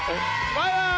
バイバイ。